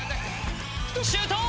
シュート！